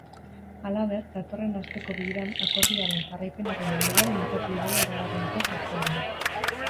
Halaber, datorren asteko bileran akordioaren jarraipenaren inguruan mintzatu direla iragarri dute jeltzaleek.